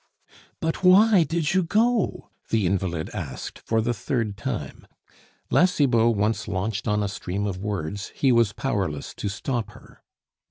"But why did you go?" the invalid asked for the third time. La Cibot once launched on a stream of words, he was powerless to stop her.